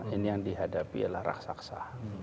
ini yang dihadapi adalah raksasa